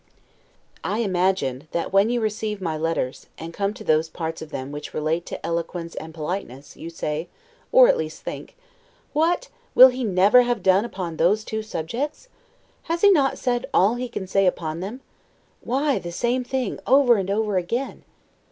I imagine, that when you receive my letters, and come to those parts of them which relate to eloquence and politeness, you say, or at least think, What, will he never have done upon those two subjects? Has he not said all he can say upon them? Why the same thing over and over again?